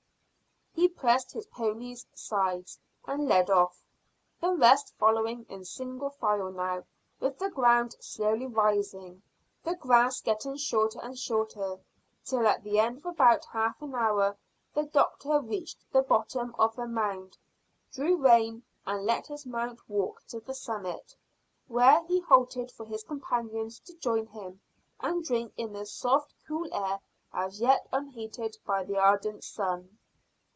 He pressed his pony's sides and led off, the rest following in single file now, with the ground slowly rising, the grass getting shorter and shorter, till at the end of about half an hour the doctor reached the bottom of a mound, drew rein, and let his mount walk to the summit, where he halted for his companions to join him and drink in the soft cool air as yet unheated by the ardent sun.